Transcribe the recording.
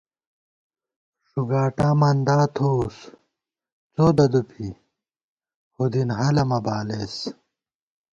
ݫُگاٹا مندا تھووُس څو ددُوپی ہُودِن ہَلہ مہ بالېس